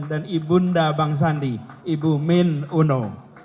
dan ibunda bang sandi ibu min uno